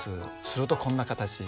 するとこんな形。